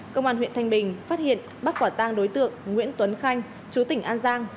công an huyện thanh bình phát hiện bắt quả tang đối tượng nguyễn tuấn khanh chú tỉnh an giang